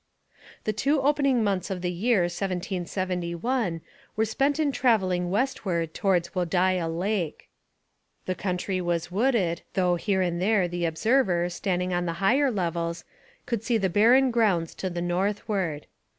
The two opening months of the year 1771 were spent in travelling westward towards Wholdaia Lake. The country was wooded, though here and there, the observer, standing on the higher levels, could see the barren grounds to the northward.